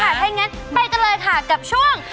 โอเคค่ะถ้างั้นไปกันเลยค่ะกับช่วง